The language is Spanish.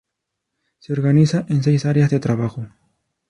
Se organiza en seis áreas de trabajo